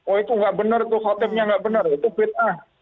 oh itu nggak bener itu khotibnya nggak bener itu fitnah